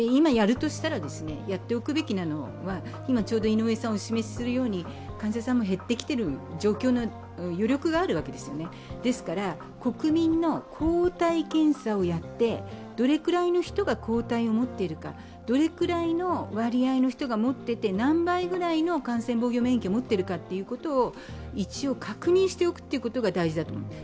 今やっておくべきなのは、ちょうどお示ししているように患者さんも減ってきている余力があるわけですよね、ですから、国民の抗体検査をやって、どれくらいの人が抗体を持っているか、どれくらいの割合の人が持っていて、何倍ぐらいの感染防御免疫を持っているかを一応確認しておくということが大事だと思います。